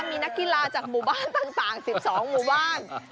มีนักกีฬาจากหมู่บ้านต่าง๑๒หมู่บ้าน